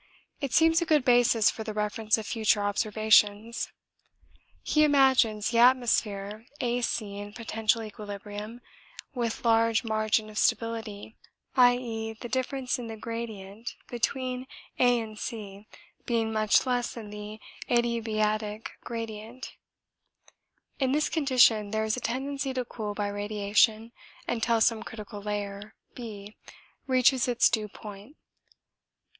It seems a good basis for the reference of future observations. He imagines the atmosphere A C in potential equilibrium with large margin of stability, i.e. the difference of temperature between A and C being much less than the adiabatic gradient. In this condition there is a tendency to cool by radiation until some critical layer, B, reaches its due point.